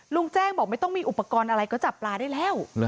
ลุงแจ้งบอกไม่ต้องมีอุปกรณ์อะไรก็จับปลาได้แล้ว